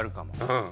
うん。